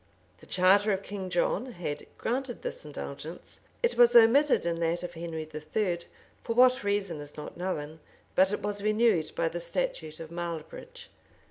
The charter of King John had granted this indulgence: it was omitted in that of Henry III., for what reason is not known; but it was renewed by the statute of Marlebridge.